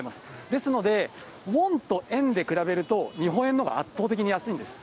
ですので、ウォンと円で比べると日本円のほうが圧倒的に安いんです。